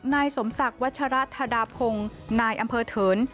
นายสมศักดิ์วัชรธดาพงศ์นายอำเภอเถิน